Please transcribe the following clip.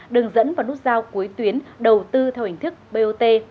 đường dẫn vào nút giao cuối tuyến đầu tư theo hình thức bot